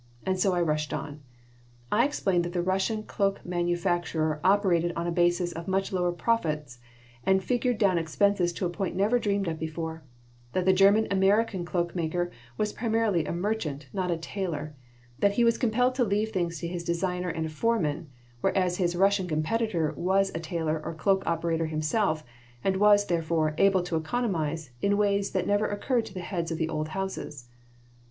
And so I rushed on. I explained that the Russian cloak manufacturer operated on a basis of much lower profits and figured down expenses to a point never dreamed of before; that the German American cloak manufacturer was primarily a merchant, not a tailor; that he was compelled to leave things to his designer and a foreman, whereas his Russian competitor was a tailor or cloak operator himself, and was, therefore, able to economize in ways that never occurred to the heads of the old houses.